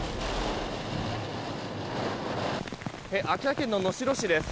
秋田県の能代市です。